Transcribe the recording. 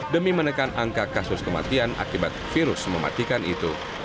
demi menekan angka kasus kematian akibat virus mematikan itu